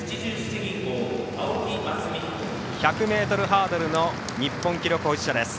１００ｍハードルの日本記録保持者です